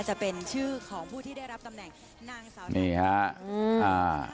จะเป็นชื่อของผู้ที่ได้รับตำแหน่งนางสาวไทยนี่ฮะอืมอ่า